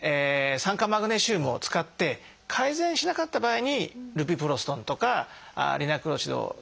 酸化マグネシウムを使って改善しなかった場合にルビプロストンとかリナクロチドを使います。